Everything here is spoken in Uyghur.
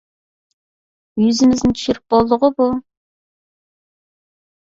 يۈزىمىزنى چۈشۈرۈپ بولدىغۇ بۇ.